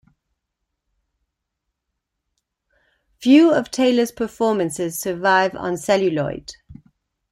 Few of Taylor's performances survive on celluloid.